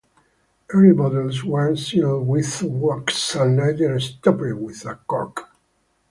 Early bottles were sealed with wax, and later stoppered with a cork.